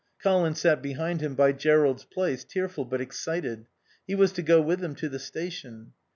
Colin sat behind him by Jerrold's place, tearful but excited. He was to go with them to the station.